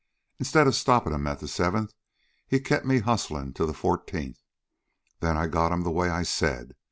Instead of stoppin' 'm at the seventh, he kept me hustlin' till the fourteenth. Then I got 'm the way I said.